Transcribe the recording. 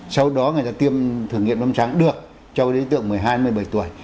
sau đó người ta tiêm thử nghiệm mâm trắng được cho đối tượng một mươi hai một mươi bảy tuổi